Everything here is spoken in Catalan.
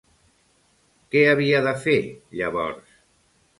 Què havia de fer, llavors?